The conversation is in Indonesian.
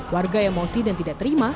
warga emosi dan tidak terima